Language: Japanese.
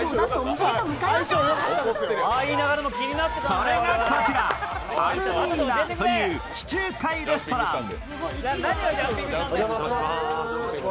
それがアルミーナという地中海レストラン。